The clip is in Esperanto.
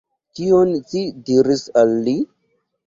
Kion ci diris al li?